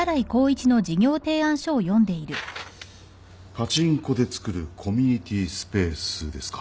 パチンコで作るコミュニティスペースですか。